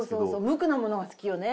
無垢なものが好きよね。